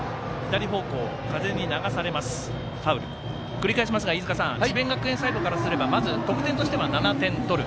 繰り返しますが、飯塚さん智弁学園サイドからするとまず、得点としては７点取る。